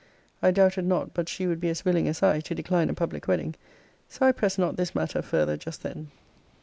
I doubted not but she would be as willing as I to decline a public wedding; so I pressed not this matter farther just then.